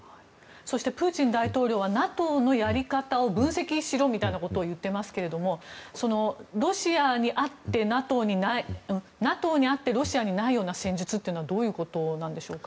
そして、プーチン大統領はＮＡＴＯのやり方を分析しろみたいなことを言っていますけれどもＮＡＴＯにあってロシアにないような戦術というのはどういうことなんでしょうか。